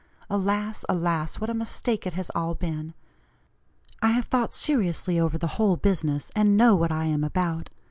Alas! alas! what a mistake it has all been! I have thought seriously over the whole business, and know what I am about.